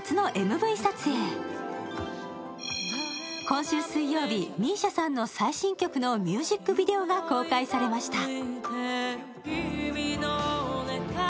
今週水曜日、ＭＩＳＩＡさんの最新曲のミュージックビデオが公開されました。